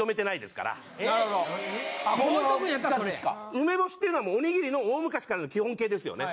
梅干しっていうのはおにぎりの大昔からの基本形ですよね。